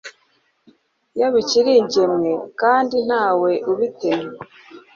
iyo bikiri ingemwe kandi nta we ubitemye